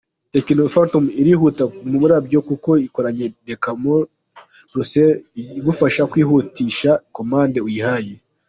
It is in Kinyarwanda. Tecno Phantom irihuta nk’umurabyo kuko ikoranye deca-core processors igufasha kwihutisha komande uyihaye.